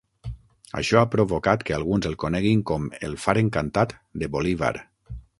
Això ha provocat que alguns el coneguin com "El far encantat" de Bolívar.